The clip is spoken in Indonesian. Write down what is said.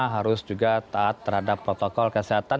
harus juga taat terhadap protokol kesehatan